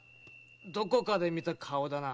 どこかで見た顔だな？